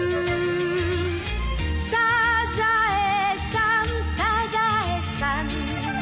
「サザエさんサザエさん」